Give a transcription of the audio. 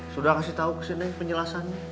sudah kasih tau ke si neng penjelasannya